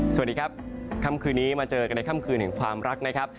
สวัสดีครับค่ำคืนนี้มาเจอกันในค่ำคืนแห่งความรักนะครับ